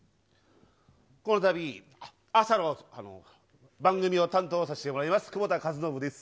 このたび、朝の番組を担当させてもらいます、久保田かずのぶです。